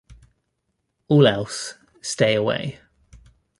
All else, stay away.